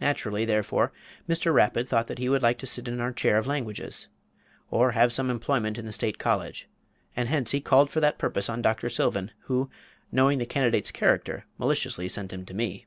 Naturally, therefore, Mr. Rapid thought he would like to sit in our chair of languages, or have some employment in the State college; and hence he called for that purpose on Dr. Sylvan, who, knowing the candidate's character, maliciously sent him to me.